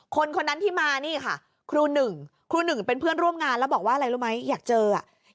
คนคนนั้นที่มานี่ค่ะครูหนึ่งครูหนึ่งเป็นเพื่อนร่วมงานแล้วบอกว่าอะไรรู้ไหมอยากเจออ่ะ